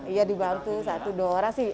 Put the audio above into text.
iya dibantu satu dua orang sih